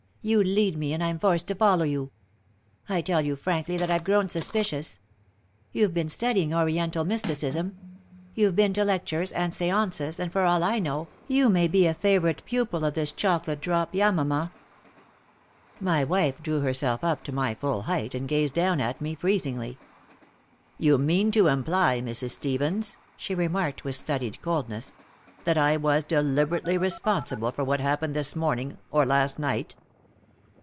"You lead me, and I'm forced to follow you. I tell you frankly that I've grown suspicious. You've been studying Oriental mysticism. You've been to lectures and séances, and, for all I know, you may be a favorite pupil of this chocolate drop, Yamama." My wife drew herself up to my full height, and gazed down at me, freezingly. "You mean to imply, Mrs. Stevens," she remarked, with studied coldness, "that I was deliberately responsible for what happened this morning, or last night?"